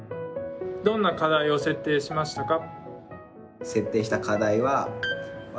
どんな課題を設定しましたか？